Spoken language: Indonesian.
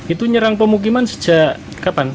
itu nyerang pemukiman sejak kapan